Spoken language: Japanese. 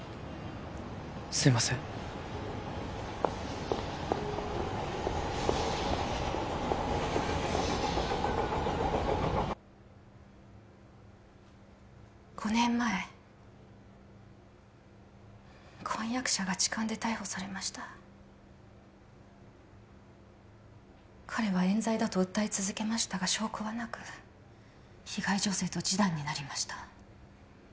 すいません５年前婚約者が痴漢で逮捕されました彼は冤罪だと訴え続けましたが証拠はなく被害女性と示談になりました